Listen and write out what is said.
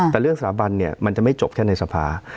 แต่เรื่องสถาบันเนี่ยมันจะไม่จบแค่ในสภา